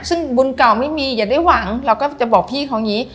ซึ่งบุญเก่าไม่มีอย่าได้หวังเราก็จะบอกพี่เขาอย่างนี้